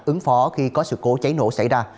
ứng phó khi có sự cố cháy nổ xảy ra